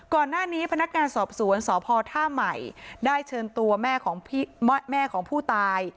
ก่อนหน้านี้พนักการณ์สอบสวนสพท่าใหม่ได้เชิญตัวแม่ของผู้ตาย